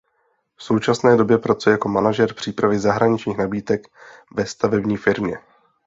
V současné době pracuje jako manažer přípravy zahraničních nabídek ve stavební firmě.